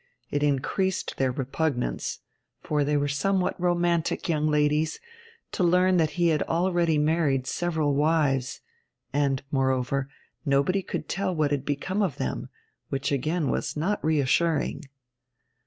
It increased their repugnance (for they were somewhat romantic young ladies) to learn that he had already married several wives; and, moreover, nobody could tell what had become of them, which again was not reassuring.